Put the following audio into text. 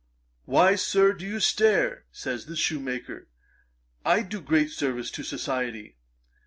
"Why, Sir, do you stare? (says the shoemaker,) I do great service to society.